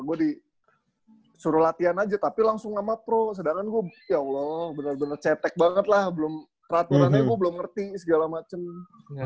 gue disuruh latihan aja tapi langsung sama pro sedangan gue ya allah benar benar cetek banget lah belum peraturannya gue belum ngerti segala macem